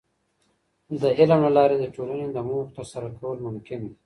د علم له لارې د ټولني د موخو ترسره کول ممکن دي.